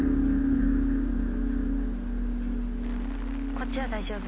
こっちは大丈夫。